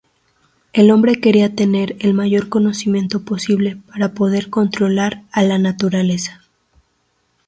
El hombre quería tener el mayor conocimiento posible para poder controlar a la naturaleza.